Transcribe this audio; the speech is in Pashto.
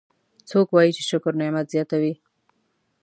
څوک وایي چې شکر نعمت زیاتوي